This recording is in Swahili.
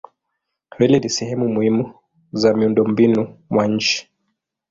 Reli ni sehemu muhimu za miundombinu wa nchi.